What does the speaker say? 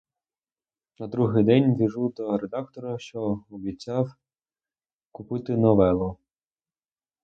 На другий день біжу до редактора, що обіцяв купити новелу.